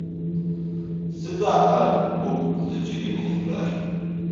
Сыда ар угу зыкӀырихьрэр?